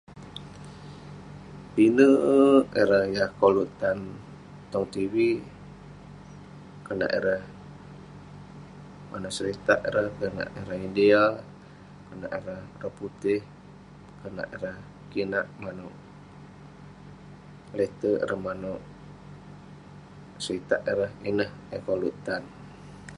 Pinek ireh yah koluk tan tong tv. Konak ireh- konak seritak ireh. Konak ireh India, konak ireh oraputih, konak ireh kinak manouk leterk ireh, manouk seritak ireh. Ineh eh koluk tan.